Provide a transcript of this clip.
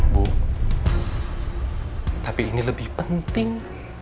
tapi ini lebih penting